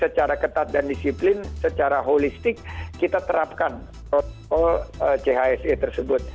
lollar off sekian ke atas quite disebelin secara holistik kita terapkan potential chse tersebut